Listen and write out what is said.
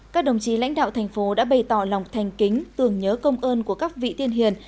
các đồng chí lãnh đạo thành phố đã bày tỏ lòng thành kính tưởng nhớ công ơn của các vị tiên hiền